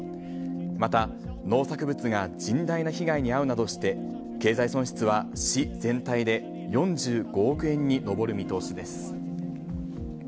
また、農作物が甚大な被害に遭うなどして、経済損失は市全体で４５億円に上る見通しです。